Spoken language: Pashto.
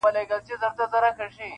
• د پښتو ژبي چوپړ ته وقف کړی دی -